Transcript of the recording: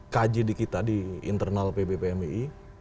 kaji di kita di internal pb pmi